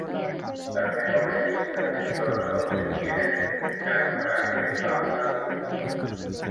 Las mejores vistas del Tronador se obtienen en el cercano paraje de Pampa Linda.